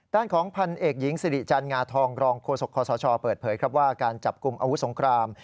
ด้านของพันเอกหญิงสิริจันงาทองรองโฆษกคศเปิดเผยครับว่าการจับกลุ่มอาวุธสงคราม